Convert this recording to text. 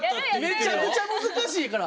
めちゃくちゃ難しいから。